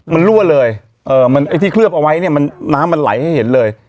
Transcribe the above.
มันรั่วเลยไอ้ที่เคลือบเอาไว้เนี่ยมันน้ำมันไหลให้เห็นเลย